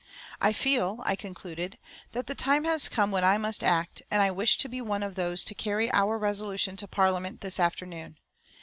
"I feel," I concluded, "that the time has come when I must act, and I wish to be one of those to carry our resolution to Parliament this afternoon.